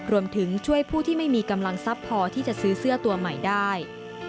รวมถึงช่วยผู้ที่ไม่มีกำลังทรัพย์พอที่จะซื้อเสื้อตัวใหม่ได้